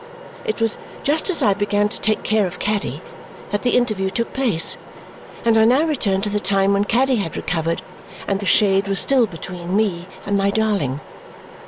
It was just as I began to take care of Caddy that the interview took place, and I now return to the time when Caddy had recovered and the shade was still between me and my darling.